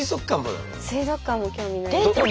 水族館も興味ないです。